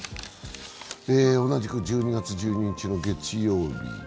同じく１２月１２日の月曜日。